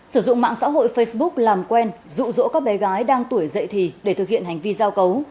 sử dụng mạng xã hội facebook làm quen rụ rỗ các bé gái đang tuổi dậy thì để thực hiện hành vi giao cấu